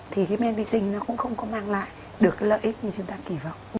thì cái men vi sinh nó cũng không có mang lại được cái lợi ích như chúng ta kỳ vọng